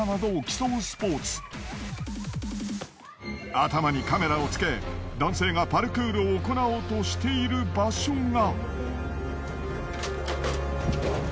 頭にカメラをつけ男性がパルクールを行おうとしている場所が。